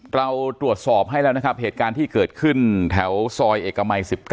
เราตรวจสอบให้แล้วนะครับเหตุการณ์ที่เกิดขึ้นแถวซอยเอกมัย๑๙